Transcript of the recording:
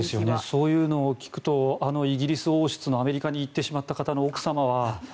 そういうのを聞くとあのイギリス王室のアメリカに行ってしまった方の奥様は。